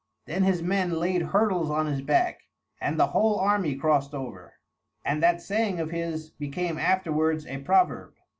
Then his men laid hurdles on his back, and the whole army crossed over; and that saying of his became afterwards a proverb.